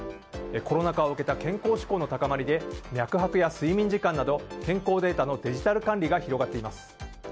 コロナ禍を受けた健康志向の高まりで脈拍や睡眠時間など健康データのデジタル管理が広がっています。